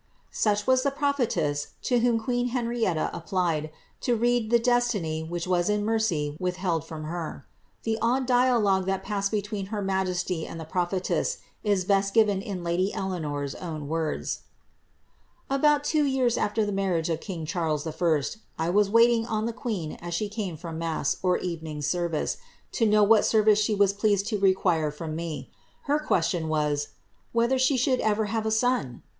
Such was the prophetess to whom queen Henrietta applied, to read the destiny which was in mercy withheld from her. The odd dialogue that passed between her majesty and the prophetess is best given in lady Eleanor^s own words. *^About two years after the marriage of king Charles I., I was waiting on the queen as she came from mass or eve ning service, to know what service she was pleased to require from me. Her first question was, ^ Whether she should ever have a son